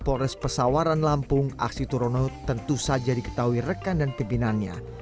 polres pesawaran lampung aksi turono tentu saja diketahui rekan dan pimpinannya